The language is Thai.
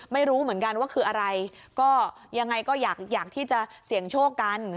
ไม่รู้เหมือนกันว่าคืออะไรก็ยังไงก็อยากที่จะเสี่ยงโชคกัน